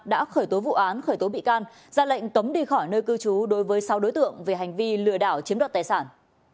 đã khởi tố vụ án khởi tố bị can ra lệnh cấm đi khỏi nơi cư trú đối với sáu đối tượng về hành vi lừa đảo chiếm đoạt tài sản